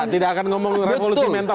tidak akan ngomong revolusi mental